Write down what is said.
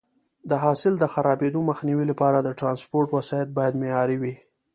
د حاصل د خرابېدو مخنیوي لپاره د ټرانسپورټ وسایط باید معیاري وي.